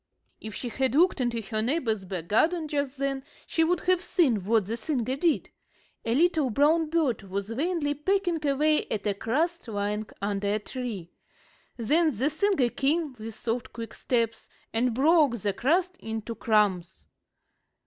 If she had looked into her neighbor's back garden just then she would have seen what the singer did. A little brown bird was vainly pecking away at a crust lying under a tree. Then the singer came, with soft, quick steps, and broke the crust into crumbs.